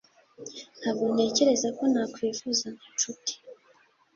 Ntabwo ntekereza ko nakwifuza nk'inshuti.